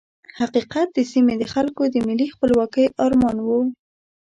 حقیقت د سیمې د خلکو د ملي خپلواکۍ ارمان وو.